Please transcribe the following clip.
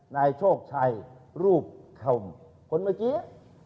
นายโชคชัยรูปคำคนเมื่อกี้